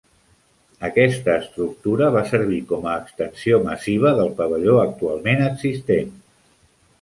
Aquesta estructura va servir com a extensió massiva del pavelló actualment existent.